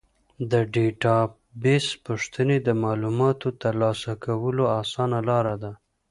د ډیټابیس پوښتنې د معلوماتو ترلاسه کولو اسانه لاره ده.